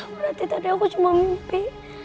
berarti tadi aku cuma mimpi